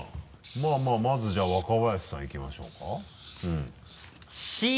まぁまぁまずじゃあ若林さんいきましょうか。